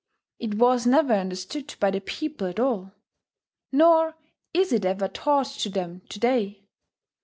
It was never understood by the people at all, nor is it ever taught to them to day.